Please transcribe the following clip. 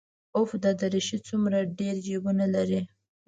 اوف دا دريشي څومره ډېر جيبونه لري.